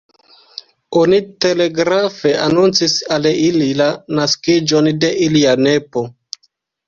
Oni telegrafe anoncis al ili la naskiĝon de ilia nepo.